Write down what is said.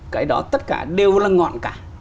cái đó tất cả đều là ngọn cả